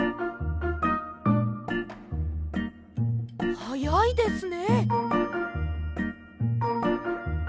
はやいですね。